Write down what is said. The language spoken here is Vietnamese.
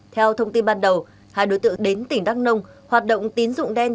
theo thông tin ban đầu hai đối tượng đến tỉnh đắk nông hoạt động tín dụng đen